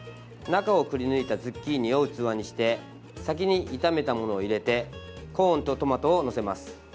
中をくりぬいたズッキーニを器にして先に炒めたものを入れてコーンとトマトを載せます。